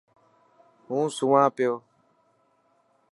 هون سوان پيو.